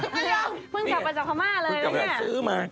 เพิ่งกลับมาจากพม่าเลยเนี่ย